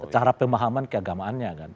cara pemahaman keagamaannya kan